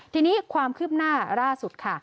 ทีนี้ความคืบหน้าล่าสุดค่ะ